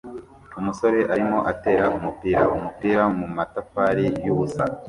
Umusore arimo atera umupira umupira mumatafari yubusa